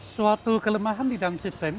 suatu kelemahan di dalam sistem